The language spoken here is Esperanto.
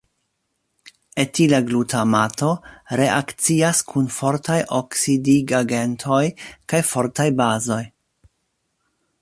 Etila glutamato reakcias kun fortaj oksidigagentoj kaj fortaj bazoj.